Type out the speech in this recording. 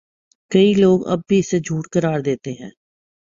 کئی لوگ اب بھی اسے جھوٹ قرار دیتے ہیں